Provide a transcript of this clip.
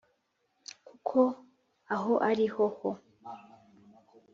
Kuko aho ari ho ho